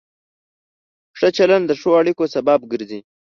ښه چلند د ښو اړیکو سبب ګرځي.